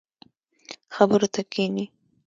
خبرو ته کښیني.